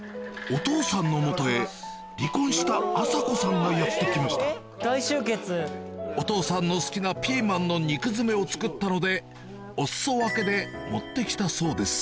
お父さんの元へ離婚した麻子さんがやって来ましたお父さんの好きなピーマンの肉詰めを作ったのでお裾分けで持って来たそうです